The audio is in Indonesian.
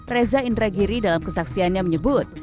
reza indragiri dalam kesaksiannya menyebut